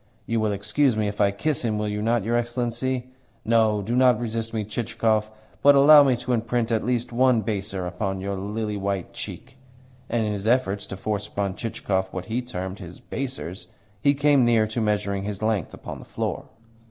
You will excuse me if I kiss him, will you not, your Excellency? No, do not resist me, Chichikov, but allow me to imprint at least one baiser upon your lily white cheek." And in his efforts to force upon Chichikov what he termed his "baisers" he came near to measuring his length upon the floor.